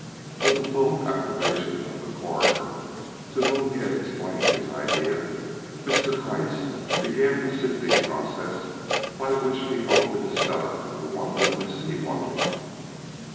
With the full approbation of the Coroner, to whom he had explained his idea, Mr. Gryce began the sifting process by which he hoped to discover the one witness he wanted.